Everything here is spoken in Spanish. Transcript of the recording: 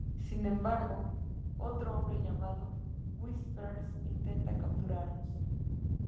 Sin embargo, otro hombre llamado "Whispers" intenta capturarlos.